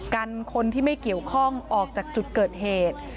กันคนที่ไม่เกี่ยวข้องออกจากจุดเกิดเหตุ